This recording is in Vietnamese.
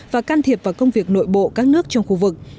và can thiệp vào công việc nội bộ các nước trong khu vực